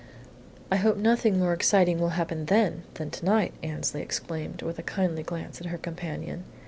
"I hope nothing more exciting will happen then than to night!" Annesley exclaimed, with a kindly glance at her companion.